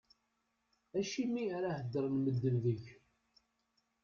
Acimi ara hedren medden deg-k?